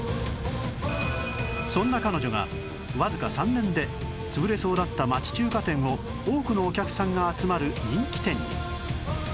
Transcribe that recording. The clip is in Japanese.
そんな彼女がわずか３年で潰れそうだった町中華店を多くのお客さんが集まる人気店に